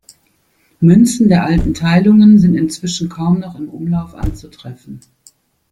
Münzen der alten Teilungen sind inzwischen kaum noch im Umlauf anzutreffen.